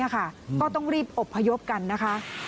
ก็ต้องรีบอบพยพกันนะคะ